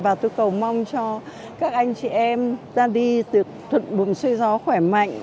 và tôi cầu mong cho các anh chị em ra đi tuyệt thuận buồn xoay gió khỏe mạnh